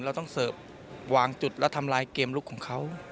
เราต้องเสิร์ฟวางจุดและทำลายเกมลุกของเขา